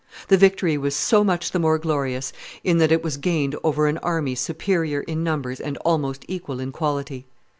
The victory was so much the more glorious in that it was gained over an army superior in numbers and almost equal in quality.